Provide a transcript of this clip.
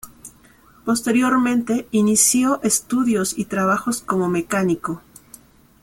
Posteriormente inició estudios y trabajos como mecánico.